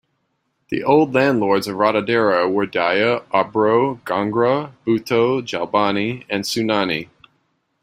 The old land lords of Ratodero were Daya, Abro, Ghanghra, Bhutto, Jalbani and sunnani.